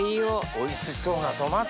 おいしそうなトマト。